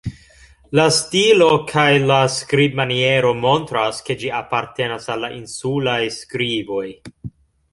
La stilo kaj la skribmaniero montras, ke ĝi apartenas al la insulaj skriboj.